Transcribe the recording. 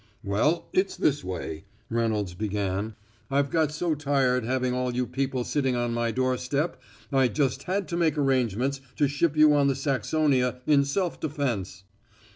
"Well, it's this way," Reynolds began. "I've got so tired having all you people sitting on my door step I just had to make arrangements to ship you on the Saxonia in self defense.